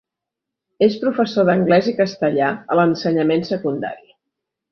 És professor d’anglès i castellà a l’ensenyament secundari.